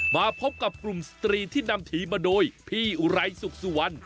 มาพบกับกลุ่มสตรีที่นำทีมมาโดยพี่อุไรสุขสุวรรณ